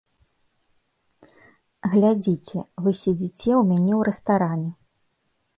Глядзіце, вы седзіце ў мяне ў рэстаране.